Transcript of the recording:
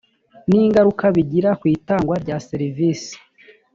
n ingaruka bigira ku itangwa rya serivisi